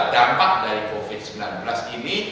dampak dari covid sembilan belas ini